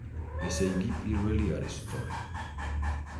ესეიგი პირველი არის სწორი.